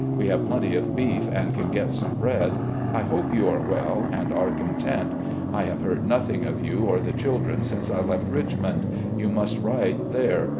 We have plenty of beef and can get some bread. I hope you are well and are content. I have heard nothing of you or the children since I left Richmond. You must write there.